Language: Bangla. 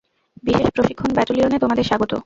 বিশেষ প্রশিক্ষণ ব্যাটালিয়নে তোমাদের স্বাগত।